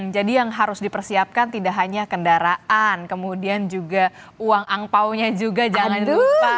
jadi yang harus dipersiapkan tidak hanya kendaraan kemudian juga uang angpaunya juga jangan lupa